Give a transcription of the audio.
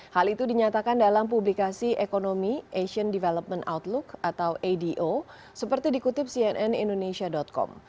hal itu dinyatakan dalam publikasi ekonomi asian development outlook atau ado seperti dikutip cnn indonesia com